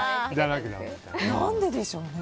何ででしょうね。